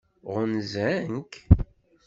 Ɣunzan-k?